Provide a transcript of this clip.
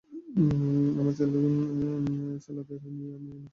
আমার চ্যালাদের নিয়ে আমি মাঝে মাঝে নিষ্ঠুরের পরীক্ষা করি।